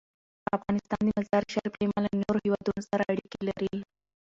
افغانستان د مزارشریف له امله له نورو هېوادونو سره اړیکې لري.